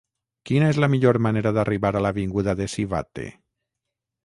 Quina és la millor manera d'arribar a l'avinguda de Sivatte?